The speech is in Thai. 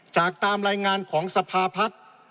ตามรายงานของสภาพัฒน์